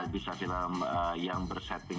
bisa film yang bersetting